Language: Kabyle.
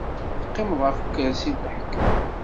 Teqqimeḍ ɣef ukersi n leḥkem.